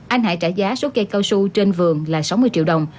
anh hải trả giá số cây cao su trên vườn là sáu mươi triệu đồng